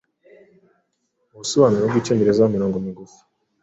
Ubusobanuro bwicyongereza mumirongo migufi